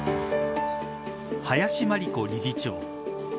林真理子理事長